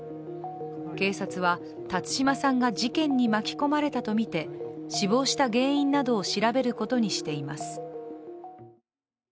警察は、辰島さんが事件に巻き込まれたとみて死亡した原因などを調べることにしています。